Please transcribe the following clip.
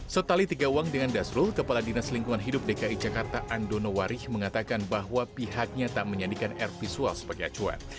setali tiga uang dengan dasrul kepala dinas lingkungan hidup dki jakarta andono warich mengatakan bahwa pihaknya tak menyandikan air visual sebagai acuan